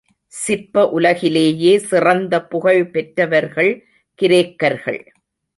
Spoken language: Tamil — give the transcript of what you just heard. சிற்ப உலகிலேயே சிறந்த புகழ்பெற்றவர்கள் கிரேக்கர்கள்.